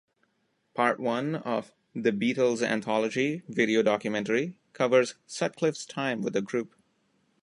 Part One of "The Beatles Anthology" video documentary covers Sutcliffe's time with the group.